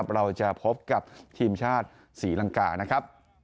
เราจะพบกับทีมชาติศรีลังกา